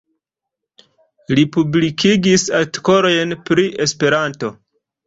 Li publikigis artikolojn pri Esperanto.